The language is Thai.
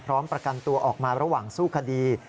ประกันตัวออกมาระหว่างสู้คดี